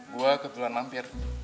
gue kebetulan mampir